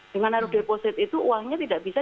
dengan naruh deposit itu uangnya tidak bisa